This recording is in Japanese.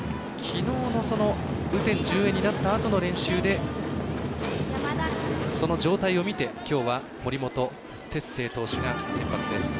きのうの雨天順延になったあとの練習でその状態を見て森本哲星投手が先発です。